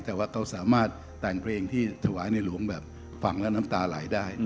แต่ว่าเขาสามารถแต่งเพลงที่ถวายในหลวงแบบฟังแล้วน้ำตาไหลได้